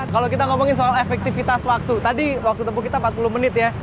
kalau kita ngomongin soal efektivitas waktu tadi waktu tempuh kita empat puluh menit ya